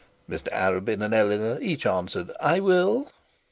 Mr Arabin and Eleanor each answered, 'I will'.